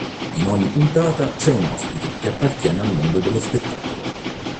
In ogni puntata c'è un ospite che appartiene al mondo dello spettacolo.